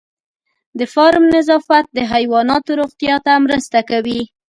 د فارم نظافت د حیواناتو روغتیا ته مرسته کوي.